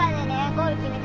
ゴール決めた。